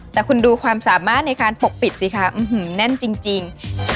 แต่คุณดูความสามารถในการปกปิดสิคะแน่นจริง